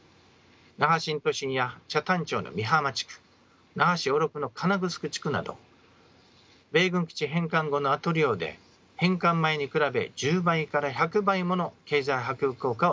那覇新都心や北谷町の美浜地区那覇市小禄の金城地区など米軍基地返還後の跡利用で返還前に比べ１０倍から１００倍もの経済波及効果を上げています。